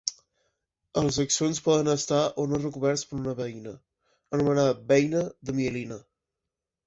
Els axons poden estar o no recoberts per una beina, anomenada beina de mielina.